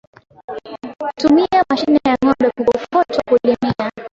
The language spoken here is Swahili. Tumia mashine ya ngOmbe ya kukokotwa kulimia